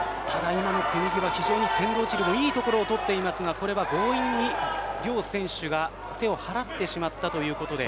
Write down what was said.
今の組み際非常にツェンドオチルもいいところをとっていますがここは強引に両選手が手を払ってしまったということで。